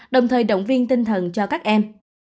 đồng thời động viên tinh thần cho các em